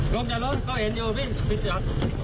ลงจากรถก็เห็นโยวิ่งพิสัย